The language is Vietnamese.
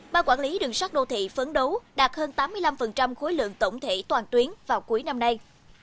ba quản lý đường sát đô thị phấn đấu đạt hơn tám mươi năm khối lượng tổng thể toàn tuyến vào cuối năm nay